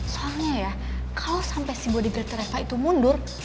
soalnya ya kalo sampe si bodyguard reva itu mundur